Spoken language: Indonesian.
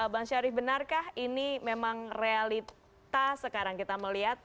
bang syarif benarkah ini memang realita sekarang kita melihat